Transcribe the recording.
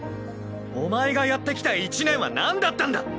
お前がやってきた１年はなんだったんだ！